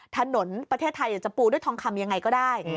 ถนนประเทศไทยจะปูด้วยทองคำยังไงก็ได้